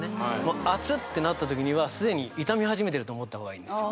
「あつっ」ってなったときにはすでに傷み始めてると思ったほうがいいんですよ